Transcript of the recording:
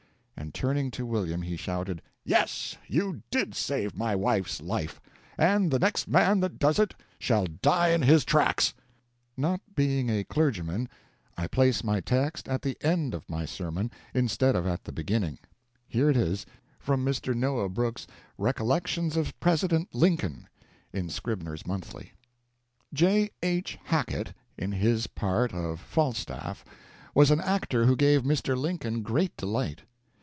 And turning to William he shouted, "Yes, you did save my wife's life, and the next man that does it shall die in his tracks!" Not being a clergyman, I place my text at the end of my sermon instead of at the beginning. Here it is, from Mr. Noah Brooks's Recollections of President Lincoln in "Scribners Monthly": J. H. Hackett, in his part of Falstaff, was an actor who gave Mr. Lincoln great delight.